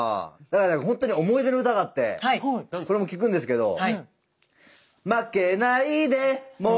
ほんとに思い出の歌があってそれも聞くんですけど。